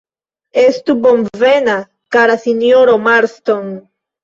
Estu bonvena, kara sinjoro Marston!